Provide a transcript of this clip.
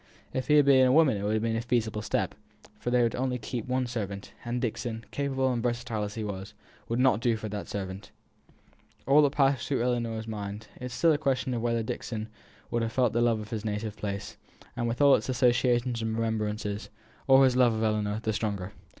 If he had been a woman it would have been a feasible step; but they were only to keep one servant, and Dixon, capable and versatile as he was, would not do for that servant. All this was what passed through Ellinor's mind: it is still a question whether Dixon would have felt his love of his native place, with all its associations and remembrances, or his love for Ellinor, the stronger.